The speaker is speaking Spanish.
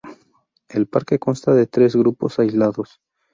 El parque consta de tres grupos aislados.